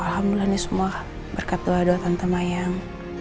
alhamdulillah ini semua berkat doa doa tante mayang